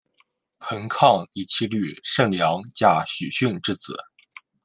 彭抗以其女胜娘嫁许逊之子。